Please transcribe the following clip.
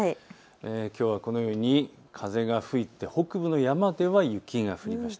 きょうはこのように風が吹いて北部の山では雪が降りました。